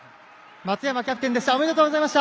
松山キャプテンでした。